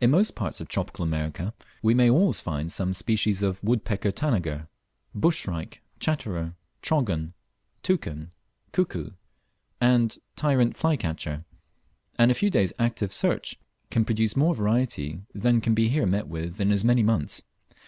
In most parts of tropical America we may always find some species of woodpecker tanager, bush shrike, chatterer, trogon, toucan, cuckoo, and tyrant flycatcher; and a few days' active search will produce more variety than can be here met with in as many months.